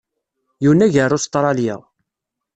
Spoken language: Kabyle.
Yunag ɣer Ustṛalya.